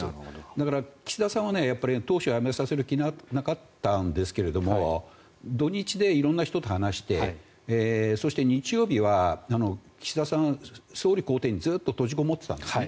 だから岸田さんは当初辞めさせる気がなかったんですけど土日で色んな人と話してそして日曜日は岸田さんは総理公邸にずっと閉じこもっていたんですね。